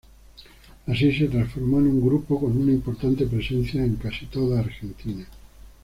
Así se transformó en un grupo con una importante presencia en casi toda Argentina.